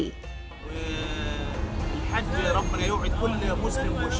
alhamdulillah ya allah yang memberi kita semua muslim yang berusaha